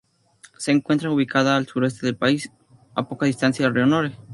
Se encuentra ubicada al sureste del país, a poca distancia del río Nore.